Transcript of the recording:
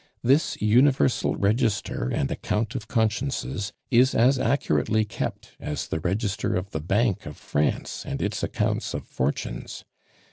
This universal register and account of consciences is as accurately kept as the register of the Bank of France and its accounts of fortunes.